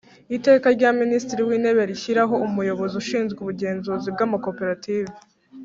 Iteka rya Minisitiri w Intebe rishyiraho Umuyobozi ushinzwe ubugenzuzi bw amakoperative